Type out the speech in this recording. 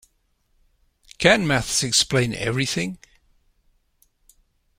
Can maths explain everything?